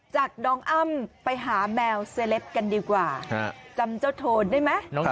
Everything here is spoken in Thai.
จากน้องอ้ำไปหาแมวเซลปกันดีกว่าจำเจ้าโทนได้ไหม